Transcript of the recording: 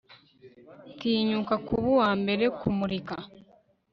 tinyuka kuba uwambere kumurika